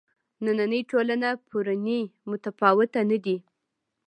نننۍ ټولنه پرونۍ متفاوته نه دي.